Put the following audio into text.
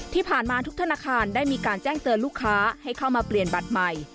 ที่ผ่านมาทุกธนาคารได้มีการแจ้งเตือนลูกค้าให้เข้ามาเปลี่ยนบัตรใหม่